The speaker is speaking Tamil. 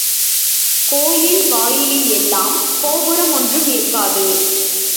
கோயில் வாயிலில் எல்லாம் கோபுரம் ஒன்றும் இருக்காது.